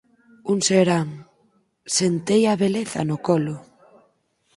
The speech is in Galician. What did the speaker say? Un serán, sentei á Beleza no colo.